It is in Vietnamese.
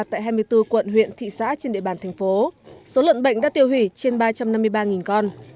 tại hai mươi bốn quận huyện thị xã trên địa bàn thành phố số lợn bệnh đã tiêu hủy trên ba trăm năm mươi ba con